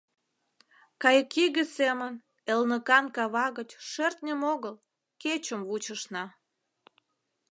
Кайыкиге семын элныкан кава гыч шӧртньым огыл, кечым вучышна.